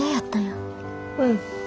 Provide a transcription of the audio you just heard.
うん。